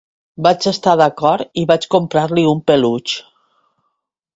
Vaig estar d'acord i vaig comprar-li un peluix!